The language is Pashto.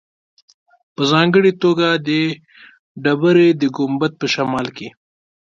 په ځانګړې توګه د ډبرې د ګنبد په شمال کې.